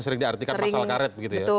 sering diartikan pasal karet begitu ya